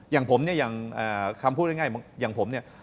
อย่างผมคำพูดง่ายอย่างผม